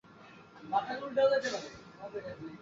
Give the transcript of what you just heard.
যার কারিগরি সহায়তায় রয়েছে ইউএনডিপি।